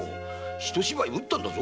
ひと芝居打ったんだぞ！